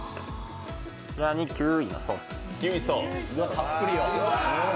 こちらにキウイのソース。